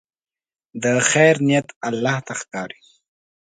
د خیر نیت الله ته ښکاري.